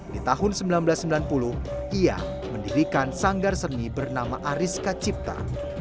di tahun seribu sembilan ratus sembilan puluh ia mendirikan sanggar seni bernama ariska cipta